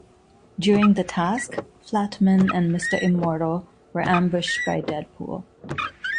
During the task, Flatman and Mr. Immortal were ambushed by Deadpool.